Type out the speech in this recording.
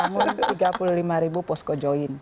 sudah bangun tiga puluh lima poskojoin